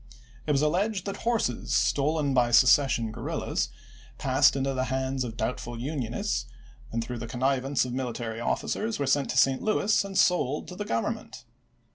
It was alleged that horses stolen by secession guerrillas passed into the hands of doubtful Unionists, and through the connivance of military officers were sent to St. Louis and sold to the Government.